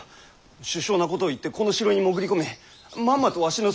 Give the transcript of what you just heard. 殊勝なことを言ってこの城に潜り込みまんまとわしの側室となって。